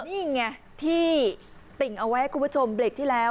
นี่ไงที่ติ่งเอาไว้ให้คุณผู้ชมเบรกที่แล้ว